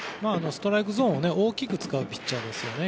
ストライクゾーンを大きく使うピッチャーですよね。